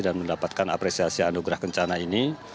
dan mendapatkan apresiasi anugerah kencana ini